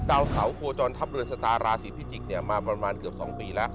ดาวเสาโคจรทัพเรือนชะตาราศีพิจิกมาประมาณเกือบ๒ปีแล้ว